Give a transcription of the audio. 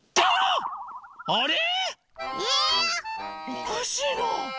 おかしいな。